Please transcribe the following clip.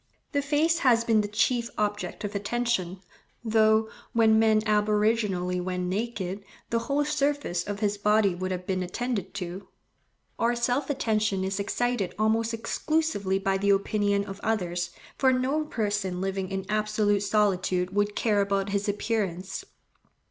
The face has been the chief object of attention, though, when man aboriginally went naked, the whole surface of his body would have been attended to. Our self attention is excited almost exclusively by the opinion of others, for no person living in absolute solitude would care about his appearance.